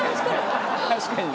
確かにね。